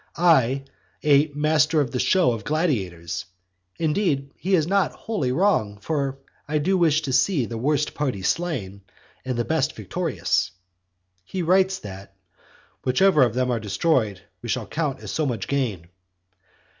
I a "master of the show of gladiators!" indeed he is not wholly wrong, for I do wish to see the worst party slain, and the best victorious. He writes that "whichever of them are destroyed we shall count as so much gain."